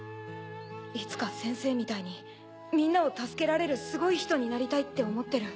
いつか先生みたいにみんなを助けられるすごい人になりたいって思ってる。